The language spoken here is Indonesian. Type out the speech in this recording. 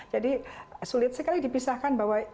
sulit sekali dipisahkan bahwa